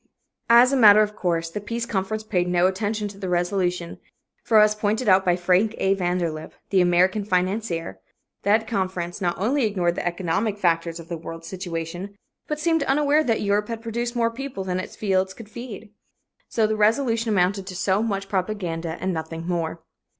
'" As a matter of course, the Peace Conference paid no attention to the resolution, for, as pointed out by Frank A. Vanderlip, the American financier, that conference not only ignored the economic factors of the world situation, but seemed unaware that Europe had produced more people than its fields could feed. So the resolution amounted to so much propaganda and nothing more.